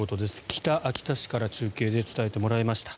北秋田市から中継で伝えてもらいました。